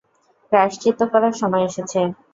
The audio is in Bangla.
প্রায়শ্চিত্ত করার সময় এসেছে!